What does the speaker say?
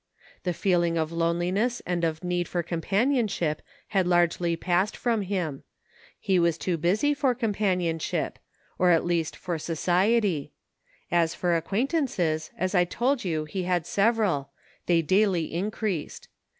The feeling of loneliness and of need for companionship had largely passed from 240 PROGRESS. him. He was too busy for companionship, or at least for society ; as for acquaintances, as I told you, he had several ; they daily increased.